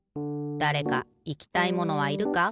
だれかいきたいものはいるか？